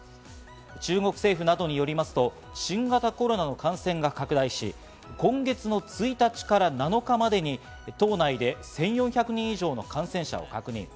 中国政府などによりますと、新型コロナの感染が拡大し、今月の１日から７日までに島内で１４００人以上の感染者を確認。